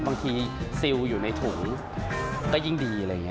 บางทีซิลอยู่ในถุงก็ยิ่งดีอะไรอย่างนี้